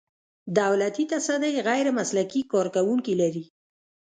دولتي تصدۍ غیر مسلکي کارکوونکي لري.